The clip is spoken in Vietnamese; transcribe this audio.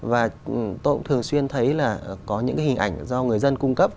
và tôi cũng thường xuyên thấy là có những cái hình ảnh do người dân cung cấp